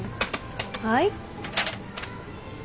はい？